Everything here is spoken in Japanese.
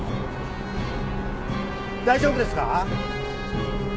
大丈夫ですか？